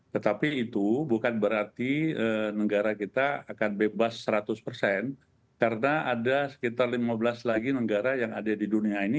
tetapi itu bukan berarti negara kita akan bebas seratus persen karena ada sekitar lima belas lagi negara yang ada di dunia ini